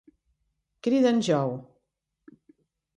Crida en Joe.